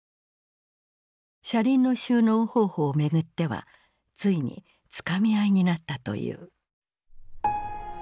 車輪の収納方法を巡ってはついにつかみ合いになったという。